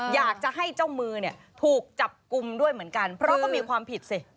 อยากจะให้เจ้ามือเนี่ยถูกจับกลุ่มด้วยเหมือนกันเพราะก็มีความผิดสิ